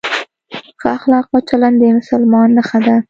ښه اخلاق او چلند د مسلمان نښه ده.